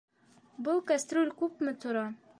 Был кәстрүл күпме тора?